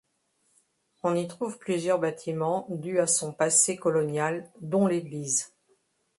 On y trouve plusieurs bâtiments dus à son passé colonial dont l'église.